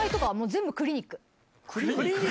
クリニック？